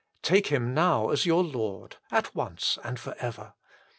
Take Him now as your Lord, at once and for ever.